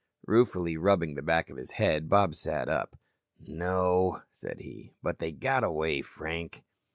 Ruefully rubbing the back of his head, Bob sat up. "No," said he, "But they got away, Frank."